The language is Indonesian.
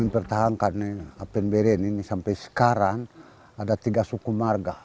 pada saat ini apen bayeren ini sampai sekarang ada tiga suku warga